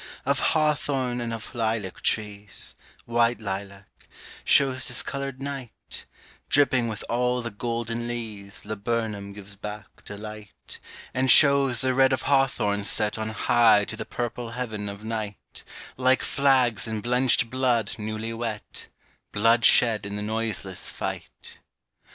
Of hawthorn and of lilac trees, White lilac; shows discoloured night Dripping with all the golden lees Laburnum gives back to light And shows the red of hawthorn set On high to the purple heaven of night, Like flags in blenched blood newly wet, Blood shed in the noiseless fight.